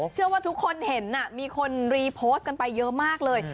เชื่อว่าทุกคนเห็นมีคนรีโพสต์กันไปเยอะมากเลย